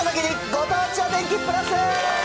ご当地お天気プラス。